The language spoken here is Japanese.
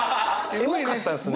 エモかったんすね！